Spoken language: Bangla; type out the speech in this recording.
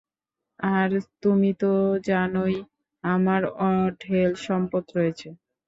আর তুমি তো জানই, আমার অঢেল সম্পদ রয়েছে।